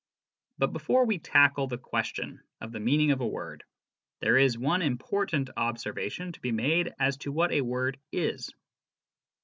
But before we tackle the question of the meaning of a word, there is one important observation to be made as to what a word is.